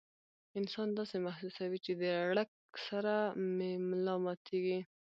انسان داسې محسوسوي چې د ړق سره مې ملا ماتيږي